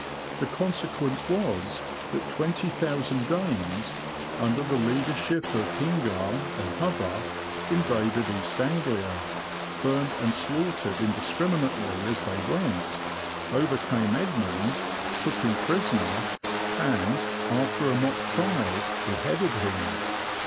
The consequence was that 20,000 Danes, under the leader ship of Hinguar and Hubba, invaded East Anglia, burned and slaughtered indiscriminately as they went, overcame Edmund, took him prisoner, and, after a mock trial, beheaded him.